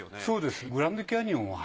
そうです。